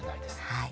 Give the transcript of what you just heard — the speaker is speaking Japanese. はい。